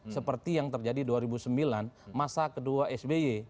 seperti yang terjadi dua ribu sembilan masa kedua sby